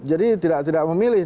jadi tidak memilih